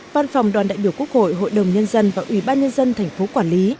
văn phòng đoàn đại biểu quốc hội hội đồng nhân dân và ủy ban nhân dân thành phố quản lý